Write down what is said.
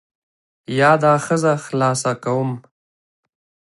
یا دا ښځه خلاصه کوم.